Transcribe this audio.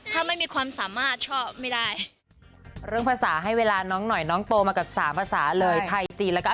ถ้าไม่มีความสามารถชอบไม่ได้